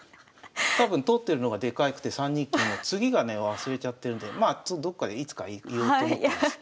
多分通ってるのがでかくて３二金の次がね忘れちゃってるんでまあどっかでいつか言おうと思ってます。